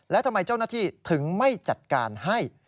และทำไมเจ้าหน้าที่ถึงไม่จัดการให้